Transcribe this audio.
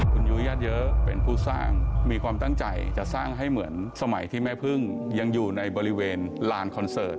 คุณยุ้ยญาติเยอะเป็นผู้สร้างมีความตั้งใจจะสร้างให้เหมือนสมัยที่แม่พึ่งยังอยู่ในบริเวณลานคอนเสิร์ต